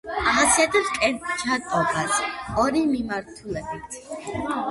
ახასიათებს ტკეჩადობა ორი მიმართულებით.